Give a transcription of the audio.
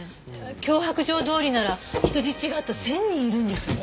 脅迫状どおりなら人質があと１０００人いるんでしょ？